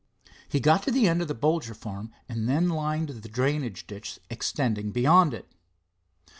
He got to the end of the Bolger farm and then lined the drainage ditch extending beyond it.